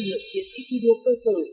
xây dựng chiến sĩ thi đua cơ sở